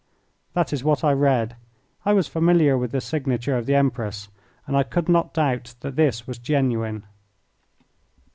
That is what I read. I was familiar with the signature of the Empress, and I could not doubt that this was genuine.